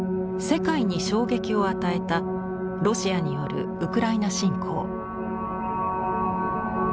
世界に衝撃を与えたロシアによるウクライナ侵攻。